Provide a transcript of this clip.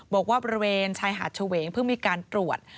บอกว่าบริเวณชายหาดเฉวงเพิ่งมีการตรวจ